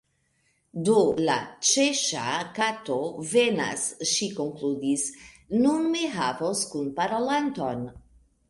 "Do, la Ĉeŝŝa_ Kato venas," ŝi konkludis, "nun mi havos kunparolanton."